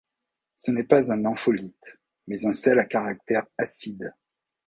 Ce n'est pas un ampholyte mais un sel à caractère acide.